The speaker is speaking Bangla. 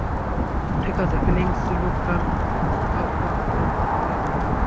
ঠিক আছে, ফিনিক্স, লোকটার দফারফা করা যাক।